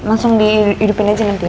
langsung dihidupin aja nanti